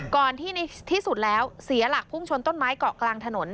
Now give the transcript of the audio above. ก่อนที่ในที่สุดแล้วเสียหลักพุ่งชนต้นไม้เกาะกลางถนน